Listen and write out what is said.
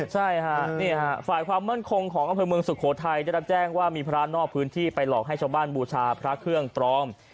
ใช่ค่ะฝ่ายความมั่นคงของอำเภอเมืองสุโขทัยได้รับแจ้งว่ามีพระนอกพื้นที่ไปหลอกให้ชาวบ้านบูชาพระเครื่องปลอม